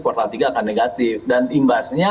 kuartal tiga akan negatif dan imbasnya